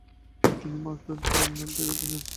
তিনি "Mark Twain" কলম নামটি বেঁছে নেন।